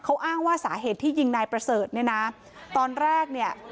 เขาอ้างว่าสาเหตุที่ยิงนายประเสริฐเนี่ยนะตอนแรกเนี่ย